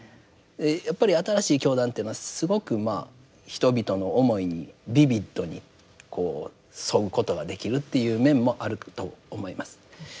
やっぱり新しい教団というのはすごくまあ人々の思いにビビッドにこう沿うことができるっていう面もあると思います。